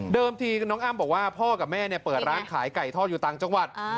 ทีน้องอ้ำบอกว่าพ่อกับแม่เปิดร้านขายไก่ทอดอยู่ต่างจังหวัด